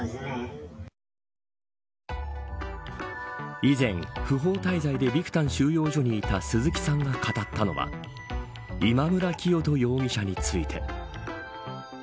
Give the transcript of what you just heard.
以前、不法滞在でビクタン収容所にいた鈴木さんが語ったのは今村磨人容疑者について。